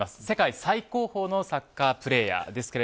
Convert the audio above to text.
世界最高峰のサッカープレーヤー。